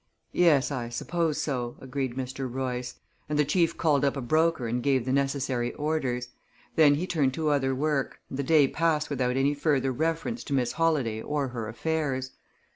"Yes, I suppose so," agreed Mr. Royce, and the chief called up a broker and gave the necessary orders. Then he turned to other work, and the day passed without any further reference to Miss Holladay or her affairs.